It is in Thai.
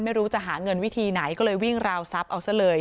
ไม่รู้จะหาเงินวิธีไหนก็เลยวิ่งราวทรัพย์เอาซะเลย